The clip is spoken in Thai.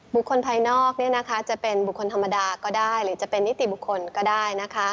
บุคคลภายนอกจะเป็นบุคคลธรรมดาก็ได้หรือจะเป็นนิติบุคคลก็ได้นะคะ